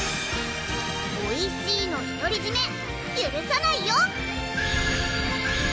おいしいの独り占めゆるさないよ！